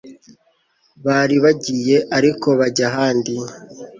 bari bagiye, ariko bajya ahandi